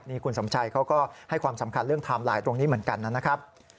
นี่คุณสมชัยเขาก็ให้ความสำคัญเรื่องไทม์ไลน์ตรงนี้เหมือนกันนะครับ